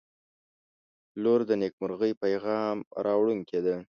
• لور د نیکمرغۍ پیغام راوړونکې ده.